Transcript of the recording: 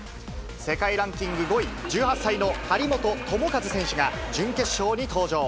世界ランキング５位、１８歳の張本智和選手が準決勝に登場。